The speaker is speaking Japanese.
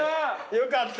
よかった。